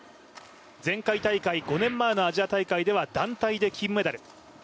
前回大会、５年前のアジア大会では団体で銀メダル。